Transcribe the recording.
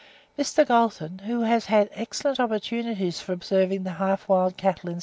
Mr. Galton, who has had excellent opportunities for observing the half wild cattle in S.